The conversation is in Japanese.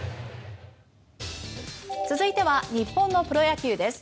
続いては日本のプロ野球です。